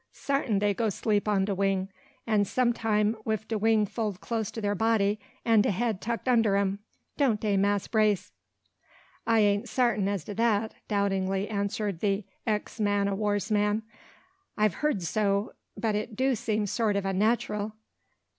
Sartin dey go 'sleep on de wing, an' some time wif de wing fold close to dar body, an' de head tuck under 'im, don't dey, Mass' Brace?" "I ain't sartin as to that," doubtingly answered the ex man o' war's man. "I've heerd so: but it do seem sort o' unnat'ral."